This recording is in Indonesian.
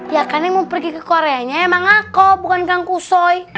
ya kan yang mau pergi ke koreanya emang aku bukan kang kusoy